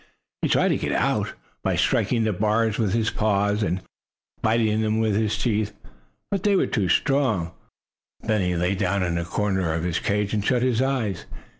He tried to get out, by striking the bars with his paws, and biting them with his teeth, but they were too strong. Then he lay down in a corner of his cage and shut his eyes.